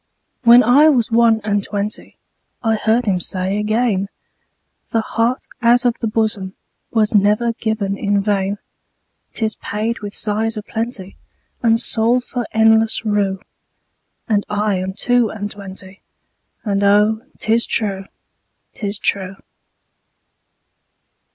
When I was one and twentyI heard him say again,'The heart out of the bosomWas never given in vain;'Tis paid with sighs a plentyAnd sold for endless rue.'And I am two and twenty, And oh, 'tis true, 'tis true.